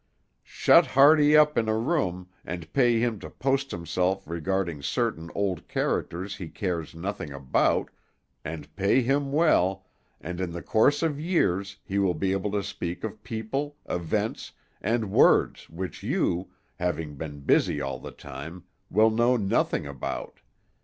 Shut Hearty up in a room, and pay him to post himself regarding certain old characters he cares nothing about, and pay him well, and in the course of years he will be able to speak of people, events, and words which you, having been busy all the time, will know nothing about.